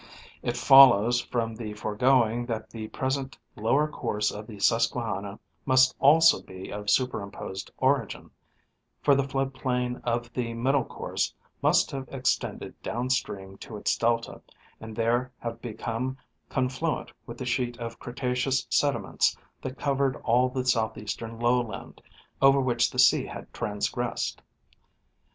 It follows from the foregoing that the present lower course of the Susquehanna must also be of superimposed origin; for the flood plain of the middle course must have extended down stream to its delta, and there have become confluent with the sheet of Cretaceous sediments that covered all the southeastern lowland, over which the sea had transgressed.